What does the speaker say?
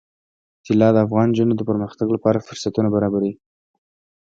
طلا د افغان نجونو د پرمختګ لپاره فرصتونه برابروي.